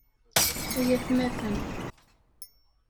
Ay atmaten!